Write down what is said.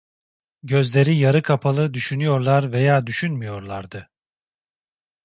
Gözleri yarı kapalı, düşünüyorlar veya düşünmüyorlardı.